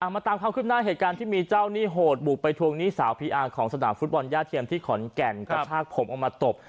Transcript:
มาตามความคืบหน้าเหตุการณ์ที่มีเจ้าหนี้โหดบุกไปทวงหนี้สาวพีอาร์ของสนามฟุตบอลย่าเทียมที่ขอนแก่นกระชากผมออกมาตบ